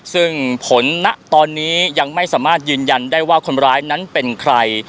ซึ่งผลณตอนนี้ยังไม่สามารถยืนยันได้ว่าคนร้ายนั้นเป็นใคร